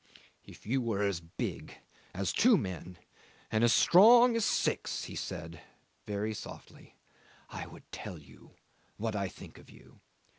"If you were as big as two men and as strong as six," he said very softly, "I would tell you what I think of you.